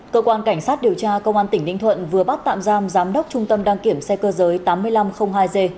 cơ quan cảnh sát điều tra công an tỉnh ninh thuận vừa bắt tạm giam giám đốc trung tâm đăng kiểm xe cơ giới tám nghìn năm trăm linh hai g